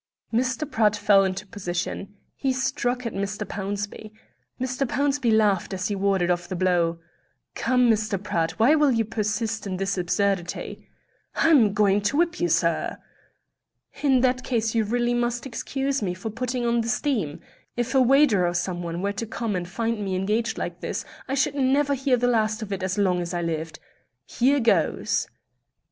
Mr. Pratt fell into position. He struck at Mr. Pownceby. Mr. Pownceby laughed as he warded off the blow. "Come, Mr. Pratt, why will you persist in this absurdity?" "I'm going to whip you, sir." "In that case you really must excuse me for putting on the steam. If a waiter or someone were to come and find me engaged like this, I should never hear the last of it as long as I lived. Here goes!"